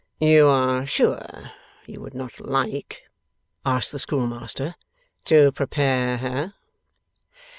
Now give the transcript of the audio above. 'You are sure you would not like,' asked the schoolmaster, 'to prepare her?